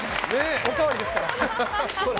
おかわりですから！